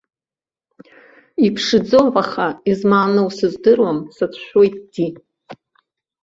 Иԥшӡоуп аха, измааноу сыздыруам, сацәшәоит ди.